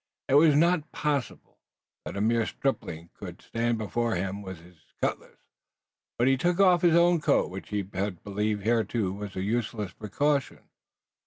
It was not possible that a mere stripling could stand before him and his cutlass. But he took off his own coat which he had believed hitherto was a useless precaution.